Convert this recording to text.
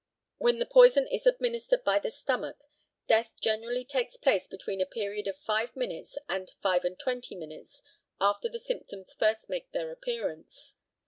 When the poison is administered by the stomach, death generally takes place between a period of five minutes and five and twenty minutes after the symptoms first make their appearance.